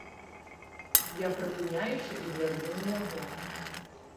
Я прыпыняюся і гляджу на яго.